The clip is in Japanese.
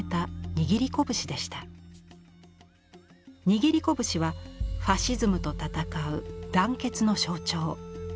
握り拳はファシズムと戦う団結の象徴。